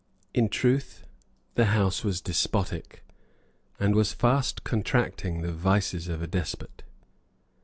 In truth the House was despotic, and was fast contracting the vices of a despot.